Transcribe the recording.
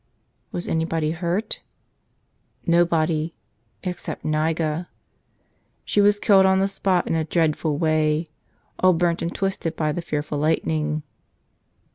Was anybody hurt! Nobody — except Niga. She was killed on the spot in a dreadful way: all burnt and twisted by the fearful lightning.